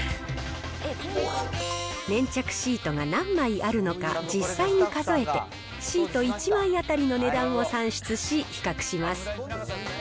粘着シートが何枚あるのか、実際に数えて、シート１枚当たりの値段を算出し、比較します。